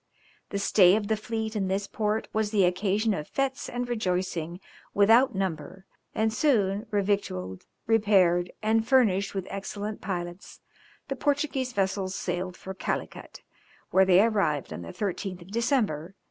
The stay of the fleet in this port was the occasion of fêtes and rejoicings without number, and soon, revictualled, repaired, and furnished with excellent pilots, the Portuguese vessels sailed for Calicut, where they arrived on the 13th of December, 1500.